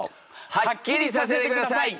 はっきりさせてください！